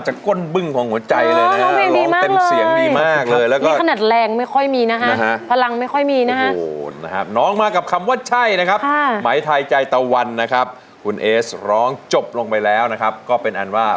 ใจอายช้ำมาจนแย่ซอยให้หักแท้แน่